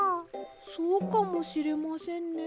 そうかもしれませんね。